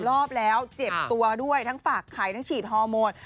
รอบแล้วเจ็บตัวด้วยทั้งฝากไข่ทั้งฉีดฮอร์โมน